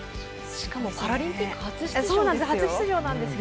しかもパラリンピック初出場ですよ。